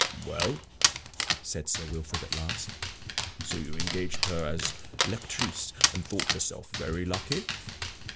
"Well," said Sir Wilfrid, at last, "so you engaged her as lectrice, and thought yourself very lucky?"